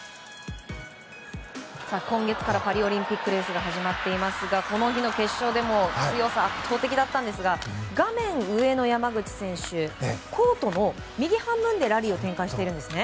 今月からパリオリンピックレースが始まっていますがこの日の決勝でもその強さは圧倒的だったんですが画面上の山口選手コートの右半分でラリーを展開しています。